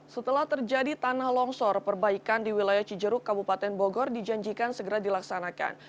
setelah terjadi tanah longsor perbaikan di wilayah cijeruk kabupaten bogor dijanjikan segera dilaksanakan